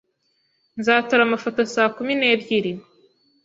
Nzatora amafoto saa kumi n'ebyiri